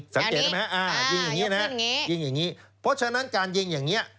สังเกตได้ไหมฮะยิงอย่างนี้นะยิงอย่างนี้เพราะฉะนั้นการยิงอย่างนี้